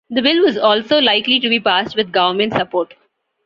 The bill was only likely to be passed with Government support.